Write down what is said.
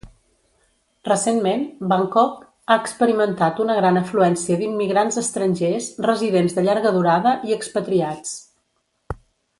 Recentment, Bangkok ha experimentat una gran afluència d'immigrants estrangers, residents de llarga durada, i expatriats.